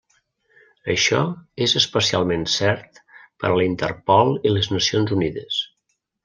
Això és especialment cert per a la Interpol i les Nacions Unides.